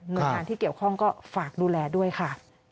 โดยงานที่เกี่ยวข้องก็ฝากดูแลด้วยค่ะ